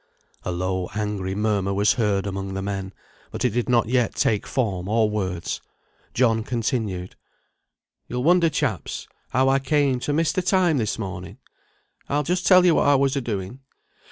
A low angry murmur was heard among the men, but it did not yet take form or words. John continued "You'll wonder, chaps, how I came to miss the time this morning; I'll just tell you what I was a doing.